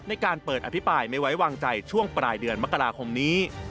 ในการเปิดอภิปรายไม่ไว้วางใจช่วงปลายเดือนมกราคมนี้